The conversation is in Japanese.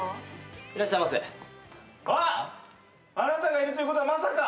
あなたがいるということはまさか。